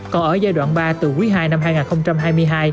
còn ở giai đoạn ba từ quý ii năm hai nghìn hai mươi hai